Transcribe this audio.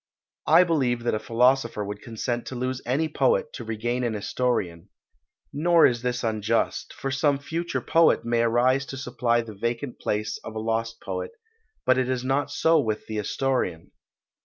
I believe that a philosopher would consent to lose any poet to regain an historian; nor is this unjust, for some future poet may arise to supply the vacant place of a lost poet, but it is not so with the historian.